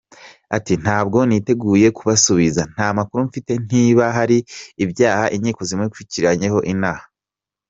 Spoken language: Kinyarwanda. Ati “Ntabwo niteguye kubasubiza, nta makuru mfite niba hari ibyaha inkiko zimukirikiranyeho inaha”.